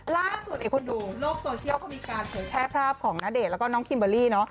ล่าส่วนใหญ่ของคุณดูโลกโซเชียลก็มีการแถพราบของนาเดะแล้วก็น้องคิมเบอรี่